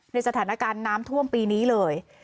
ในสถานการณ์น้ำท่วมปีนี้เลย